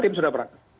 tim sudah berangkat